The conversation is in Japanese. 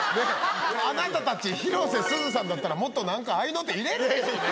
あなたたち、広瀬すずさんだったら、もっとなんか合いの手入れるでしょ。